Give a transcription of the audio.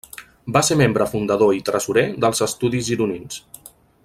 Va ser membre fundador i tresorer dels Estudis Gironins.